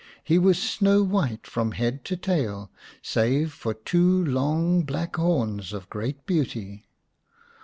He was snow white from head to tail, save for two long black horns of great beauty.